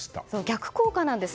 逆効果なんです。